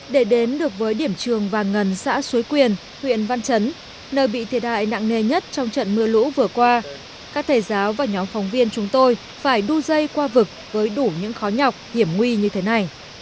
để đến được với điểm trường vàng ngần xã suối quyền huyện văn chấn nơi bị thiệt hại nặng nề nhất trong trận mưa lũ vừa qua các thầy giáo và nhóm phóng viên chúng tôi phải đu dây qua vực với đủ những khó nhọc hiểm nguy như thế này